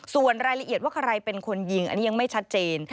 ส่วนรายละเอียดว่าใครเป็นคนยิงอันนี้ยังไม่ชัดเจน